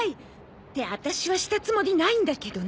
ってワタシはしたつもりないんだけどね。